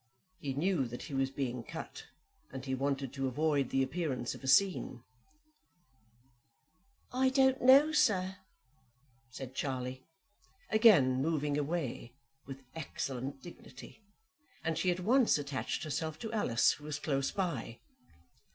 He knew that he was being cut and he wanted to avoid the appearance of a scene. "I don't know, sir," said Charlie, again moving away with excellent dignity, and she at once attached herself to Alice who was close by.